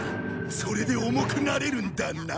それで重くなれるんだな。